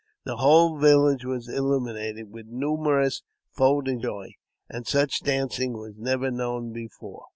The whole village was illumi nated with numerous feux de joie, and such dancing was nevfer known before.